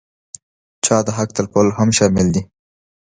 چا د حق تلفول هم شامل دي.